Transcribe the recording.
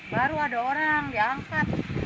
baru ada orang diangkat